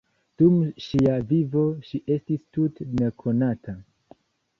Dum ŝia vivo, ŝi estis tute nekonata.